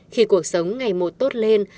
khi cuộc sống ngày mùa tốt lên